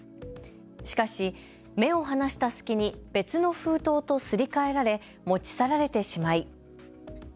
しかし目を離した隙に別の封筒とすり替えられ持ち去られてしまい。